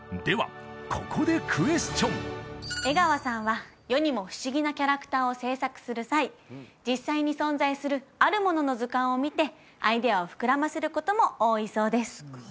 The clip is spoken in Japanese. ではここでクエスチョン江川さんは世にも不思議なキャラクターを制作する際実際に存在するあるものの図鑑を見てアイデアを膨らませることも多いそうです